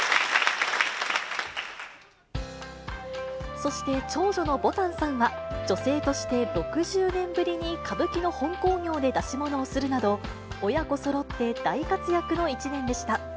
そして、長女のぼたんさんは、女性として６０年ぶりに歌舞伎の本興行で出し物をするなど、親子そろって大活躍の１年でした。